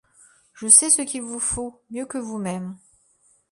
Je sais ce qu'il vous faut, mieux que vous-même.